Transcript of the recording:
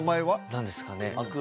何ですかね？